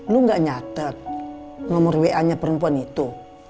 lu gak nyata nomor wa nya perempuan itu